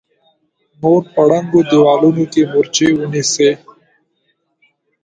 نور په ړنګو دېوالونو کې مورچې ونيسئ!